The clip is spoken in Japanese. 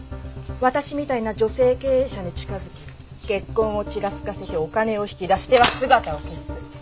私みたいな女性経営者に近づき結婚をちらつかせてお金を引き出しては姿を消す。